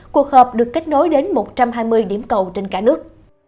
cuộc họp được kết nối đến một trăm hai mươi điểm cầu trên cả nước